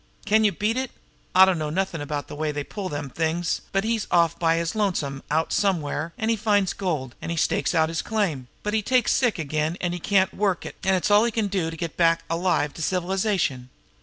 Can you beat it! I dunno nothing about the way they pull them things, but he's off by his lonesome out somewhere, an' he finds gold, an' stakes out his claim, but he takes sick again an' can't work it, an' it's all he can do to get back alive to civilization.